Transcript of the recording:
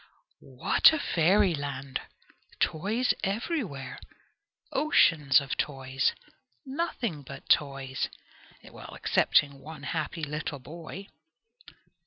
What a fairyland! Toys everywhere! Oceans of toys! Nothing but toys! Excepting one happy little boy!